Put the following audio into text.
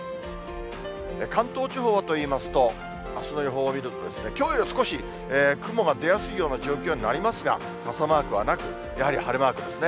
関東地方はといいますと、あすの予報を見ると、きょうより少し雲が出やすいような状況になりますが、傘マークはなく、やはり晴れマークですね。